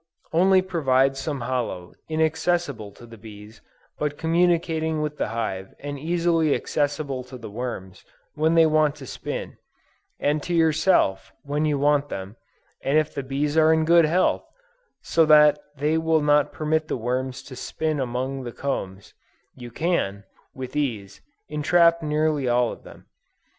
Only provide some hollow, inaccessible to the bees, but communicating with the hive and easily accessible to the worms when they want to spin, and to yourself when you want them, and if the bees are in good health, so that they will not permit the worms to spin among the combs, you can, with ease, entrap nearly all of them.